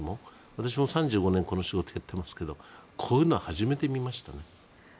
私も３５年この仕事をやっていますがこういうのは初めて見ましたね。